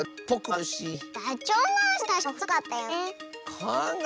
はい。